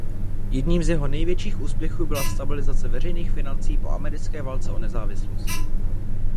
Jedním z jeho největších úspěchů byla stabilizace veřejných financí po Americké válce o nezávislost.